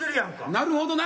なるほどな。